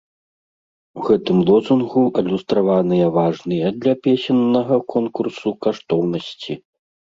У гэтым лозунгу адлюстраваныя важныя для песеннага конкурсу каштоўнасці.